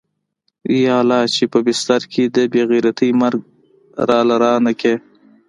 يا الله چې په بستر کې د بې غيرتۍ مرگ راله رانه کې.